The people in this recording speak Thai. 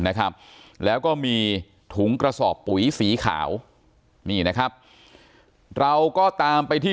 นะครับแล้วก็มีถุงกระสอบปุ๋ยสีขาวนี่นะครับเราก็ตามไปที่